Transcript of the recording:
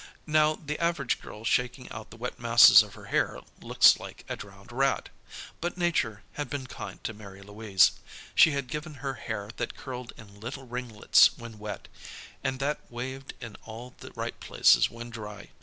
Now the average girl shaking out the wet masses of her hair looks like a drowned rat. But Nature had been kind to Mary Louise. She had given her hair that curled in little ringlets when wet, and that waved in all the right places when dry.